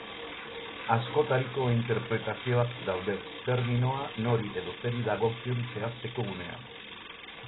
Askotariko interpretazioak daude, terminoa nori edo zeri dagokion zehazteko unean.